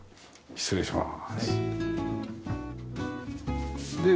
失礼します。